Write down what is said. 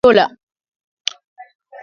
wakati wa mkutano wa Jumuiya ya Madola